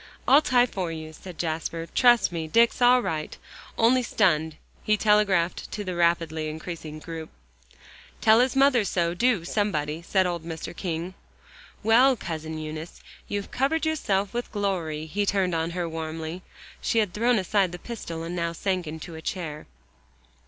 "I'll tie for you," said Jasper, "trust me, Dick's all right, only stunned," he telegraphed to the rapidly increasing group. "Tell his mother so, do, somebody," said old Mr. King. "Well, Cousin Eunice, you've covered yourself with glory," he turned on her warmly. She had thrown aside the pistol, and now sank into a chair.